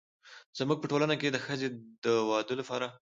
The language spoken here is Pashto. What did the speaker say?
زموږ په ټولنه کې د ښځې د واده لپاره